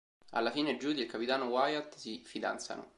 Alla fine Judy e il capitano Wyatt si fidanzano.